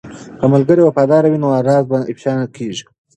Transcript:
که ملګری وفادار وي نو راز نه افشا کیږي.